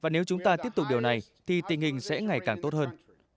nếu chúng ta tiếp tục điều này thì tình hình sẽ ngày càng tốt hơn